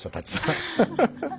ハハハハッ。